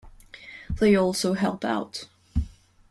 They also help out.